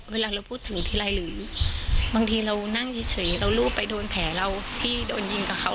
เวลาเราพูดถึงทีไรหรือบางทีเรานั่งเฉยเรารูปไปโดนแผลเราที่โดนยิงกับเขา